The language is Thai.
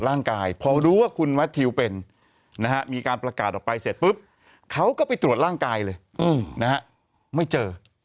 นะครับผมรู้ว่าคุณวัดหิวเป็นนะครับมีการประกาศหลอกไปเสร็จปุ๊บเขาก็ไปตรวจร่างกายเลยอืมนะไม่เจอ